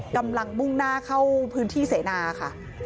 กำลังมุ่งหน้าเข้าพื้นที่เสนาค่ะ